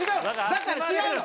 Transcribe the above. だから違うの。